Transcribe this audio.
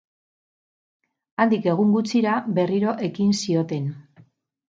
Handik egun gutxira, berriro ekin zioten.